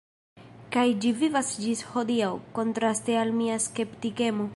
Kaj ĝi vivas ĝis hodiaŭ, kontraste al mia skeptikemo.